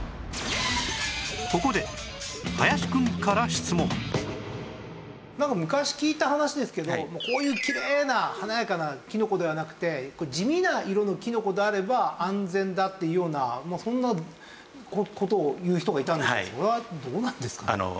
ここでなんか昔聞いた話ですけどこういうきれいな華やかなキノコではなくて地味な色のキノコであれば安全だというようなそんな事を言う人がいたんですけどそれはどうなんですか？